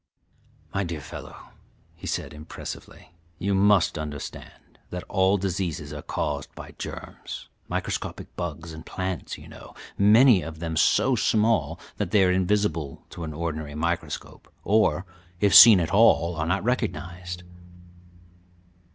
] "My dear fellow," he said impressively, "you must understand that all diseases are caused by germs microscopic bugs and plants, you know, many of them so small that they are invisible to an ordinary microscope, or, if seen at all, are not recognized.